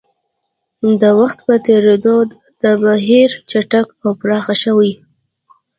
د وخت په تېرېدو دا بهیر چټک او پراخ شوی